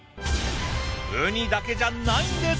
ウニだけじゃないんです！